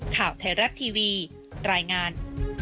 ข่าวไทยรัฐทีวีรายงาน